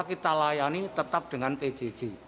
kita layani tetap dengan pjj